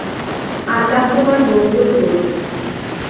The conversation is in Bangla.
আল্লাহ তোমার মঙ্গল করুক।